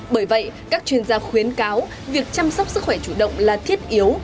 bởi vậy các chuyên gia khuyến cáo việc chăm sóc sức khỏe chủ động là thiết yếu